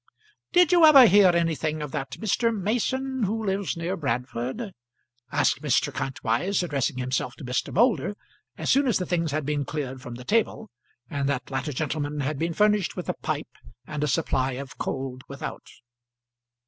"Did you ever hear anything of that Mr. Mason who lives near Bradford?" asked Mr. Kantwise, addressing himself to Mr. Moulder, as soon as the things had been cleared from the table, and that latter gentleman had been furnished with a pipe and a supply of cold without.